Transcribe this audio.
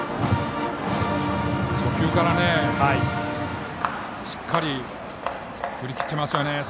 初球からしっかり振り切ってますよね。